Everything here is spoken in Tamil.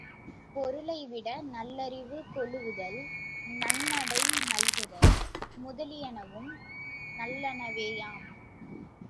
பொருளை விட, நல்லறிவு கொளுவுதல், நன்னடை நல்குதல் முதலியனவும் நல்லனவேயாம்.